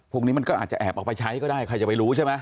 พวกนี้มันก็อาจจะแอบออกไปใช้ก็ได้ใครจะไปรู้ใช่ไหม